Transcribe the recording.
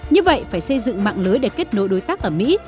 như vậy phải xây dựng mạng lưới để kết nối đối tác ở mỹ